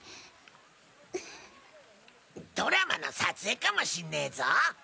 ドラマの撮影かもしんねぇぞ。